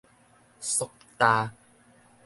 縮焦